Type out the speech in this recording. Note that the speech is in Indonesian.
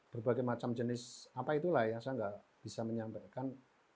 berbagai macam jenis apa itulah yang saya nggak bisa menyampaikan